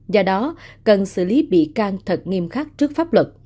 do đó cần xử lý bị can thật nghiêm khắc trước pháp luật